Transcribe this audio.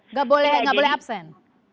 nggak boleh absen